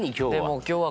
今日は。